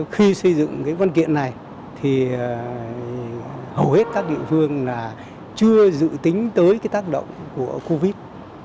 khi xây dựng cái văn kiện này thì hầu hết các địa phương là chưa dự tính tới cái tác động của covid